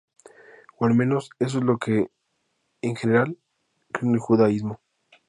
O al menos eso es lo que en general creen en el judaísmo.